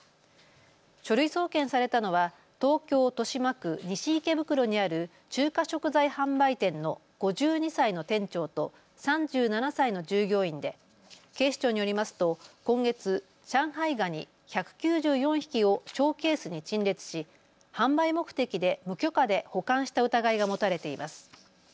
書類送検されたのは東京豊島区西池袋にある中華食材販売店の５２歳の店長と３７歳の従業員で警視庁によりますと今月、上海ガニ１９４匹をショーケースに陳列し販売目的で無許可で保管した疑いが持たれています。